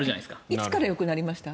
いつからよくなりました？